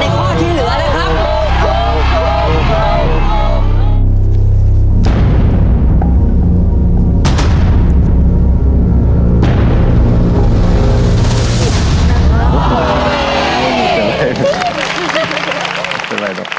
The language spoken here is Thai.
ในข้อที่เหลือ